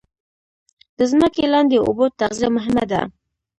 د ځمکې لاندې اوبو تغذیه مهمه ده